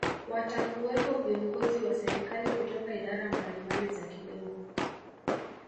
watakuwepo viongozi wa serikali kutoka idara mbalimbali za kilimo